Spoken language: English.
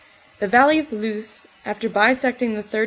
The valley of the Luce, after bisecting the 3rd.